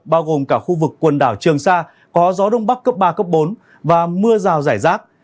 bao gồm cả khu vực quần đảo trường sa có gió đông bắc cấp ba bốn và mưa rào rải rác